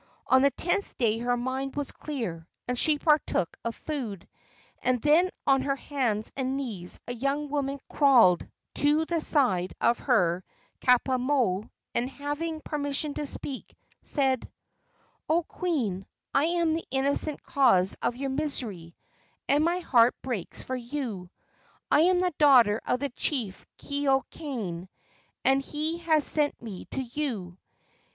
On the tenth day her mind was clear and she partook of food, and then on her hands and knees a young woman crawled to the side of her kapa moe, and, having permission to speak, said: "O queen, I am the innocent cause of your misery, and my heart breaks for you. I am the daughter of the chief Keeokane, and he has sent me to you.